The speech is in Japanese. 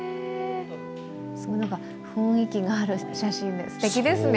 なんか、雰囲気のある写真ですてきですね。